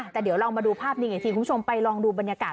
แต่เดี๋ยวเรามาดูภาพนี้อีกทีคุณผู้ชมไปลองดูบรรยากาศ